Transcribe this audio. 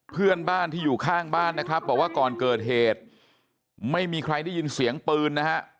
เพื่อนบ้านที่อยู่ข้างบ้านนะครับบอกว่าก่อนเกิดเหตุไม่มีใครได้ยินเสียงปืนนะฮะ